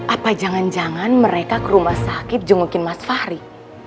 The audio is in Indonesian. apa jangan jangan mereka ke rumah sakit jungukin mas fahri